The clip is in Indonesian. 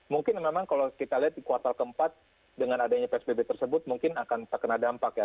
mungkin memang kalau kita lihat di kuartal keempat dengan adanya psbb tersebut mungkin akan terkena dampak ya